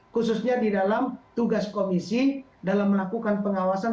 khususnya di dalam tugas komisi dalam melakukan pengawasan